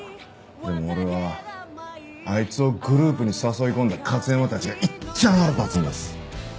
でも俺はあいつをグループに誘い込んだ勝山たちがいっちゃん腹立つんです。